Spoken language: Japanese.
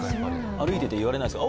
歩いてて言われないですか？